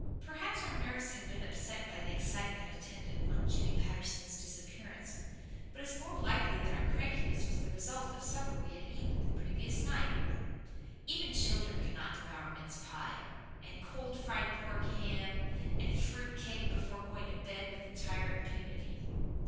Perhaps our nerves had been upset by the excitement attendant on Jimmy Patterson's disappearance. But it is more likely that our crankiness was the result of the supper we had eaten the previous night. Even children cannot devour mince pie, and cold fried pork ham, and fruit cake before going to bed with entire impunity.